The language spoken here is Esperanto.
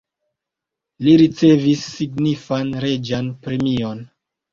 Li ricevis signifan reĝan premion.